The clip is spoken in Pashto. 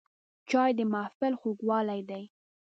چای د محفل خوږوالی دی